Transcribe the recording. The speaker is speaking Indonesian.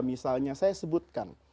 misalnya saya sebutkan